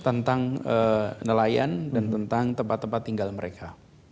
tentang nelayan dan tentang tempat tempat tinggal mereka